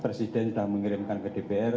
presiden sudah mengirimkan ke dpr